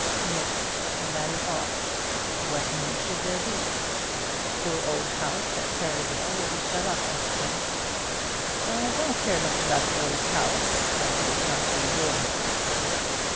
"Yes; that is all. What more should there be? The poor old house at Perivale will be shut up, I suppose." "I don't care about the old house much, as it is not to be your house."